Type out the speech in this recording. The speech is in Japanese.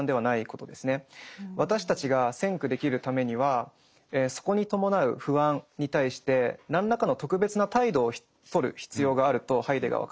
私たちが「先駆」できるためにはそこに伴う不安に対して何らかの特別な態度をとる必要があるとハイデガーは考えていました。